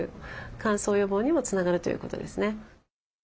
乾燥予防にもつながるということですね。